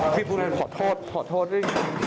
พี่พูดอะไรขอโทษขอโทษสิ